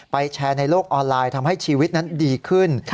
แชร์ในโลกออนไลน์ทำให้ชีวิตนั้นดีขึ้น